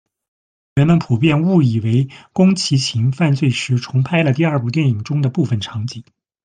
人们普遍误以为宫崎勤犯罪时重拍了第二部电影中的部分场景。